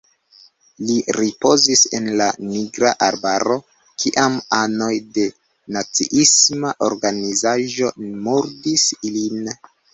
Li ripozis en la Nigra Arbaro, kiam anoj de naciisma organizaĵo murdis lin.